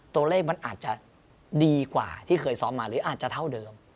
ตัวเลขมันอาจจะดีกว่าที่เคยซ้อมมาหรืออาจจะเท่าเดิม